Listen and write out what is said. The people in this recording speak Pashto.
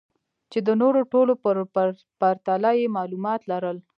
چې د نورو ټولو په پرتله يې معلومات لرل.